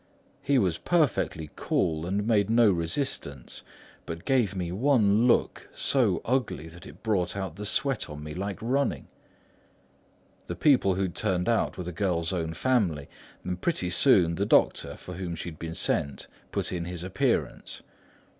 He was perfectly cool and made no resistance, but gave me one look, so ugly that it brought out the sweat on me like running. The people who had turned out were the girl's own family; and pretty soon, the doctor, for whom she had been sent put in his appearance.